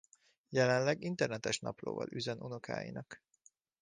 Jelenleg internetes naplóval üzen unokáinak.